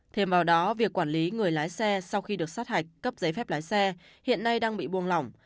thêm vào đó việc quản lý người lái xe sau khi được sát hạch cấp giấy phép lái xe hiện nay đang bị buông lỏng